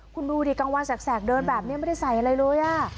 คุณดูดิกลางวันแสกเดินแบบนี้ไม่ได้ใส่อะไรเลย